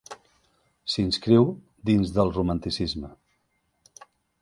S'inscriu dins del Romanticisme.